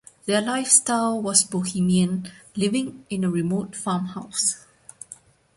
Their lifestyle was bohemian, living in a remote farmhouse.